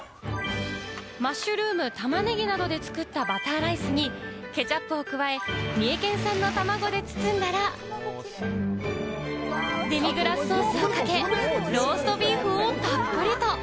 マッシュルーム、玉ねぎなどで作ったバターライスに、ケチャップを加え、三重県産の卵で包んだら、デミグラスソースをかけ、ローストビーフをたっぷりと！